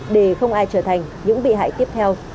để không ai trở thành những bị hại tiếp theo